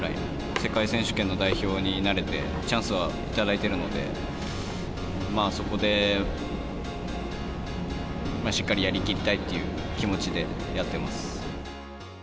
世界選手権の代表になれてチャンスは頂いてるので、そこでしっかりやりきりたいっていう気持ちでやってます。